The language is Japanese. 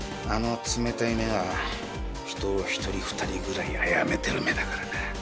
あの冷たい目は人を１人２人ぐらいあやめてる目だからな。